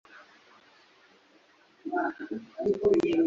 Isi n’ibibaho byose byaremwe nayo